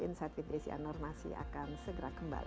insight pintesi anormasi akan segera kembali